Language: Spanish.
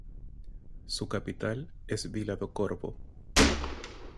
Su capital es Vila do Corvo.